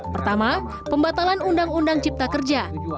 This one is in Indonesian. pertama pembatalan ruu cipta kerja